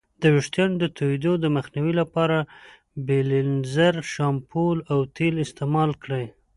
د ویښتانو د توییدو د مخنیوي لپاره بیلینزر شامپو او تیل استعمال کړئ.